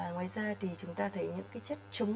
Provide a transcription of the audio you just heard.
ngoài ra thì chúng ta thấy những cái chất trung tâm